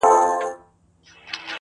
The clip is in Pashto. لـكــه دی لـــونــــــگ_